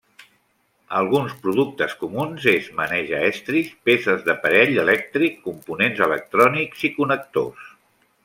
Alguns productes comuns es maneja estris, peces d'aparell elèctric, components electrònics i connectors.